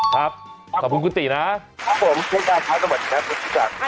ครับขอบคุณคุณตินะครับผมช่วยการพักกันหมดครับคุณผู้ชาย